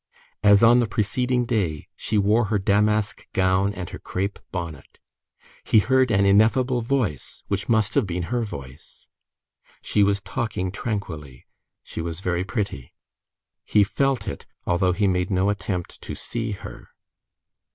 As on the preceding day, she wore her damask gown and her crape bonnet. He heard an ineffable voice, which must have been "her voice." She was talking tranquilly. She was very pretty. He felt it, although he made no attempt to see her.